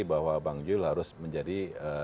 bahwa bang jul harus menjadi